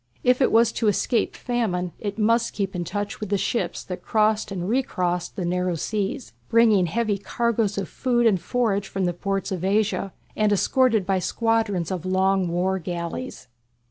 If it was to escape famine it must keep in touch with the ships that crossed and recrossed the narrow seas, bringing heavy cargoes of food and forage from the ports of Asia, and escorted by squadrons of long war galleys.